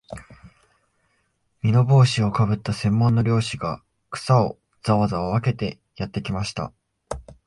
簔帽子をかぶった専門の猟師が、草をざわざわ分けてやってきました